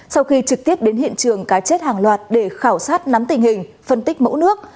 sau khi trực tiếp đến hiện trường cá chết hàng loạt để khảo sát nắm tình hình phân tích mẫu nước